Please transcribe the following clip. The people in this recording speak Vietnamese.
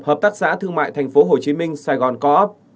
hợp tác xã thương mại tp hcm sài gòn co op